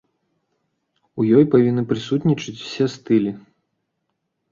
У ёй павінны прысутнічаць усе стылі.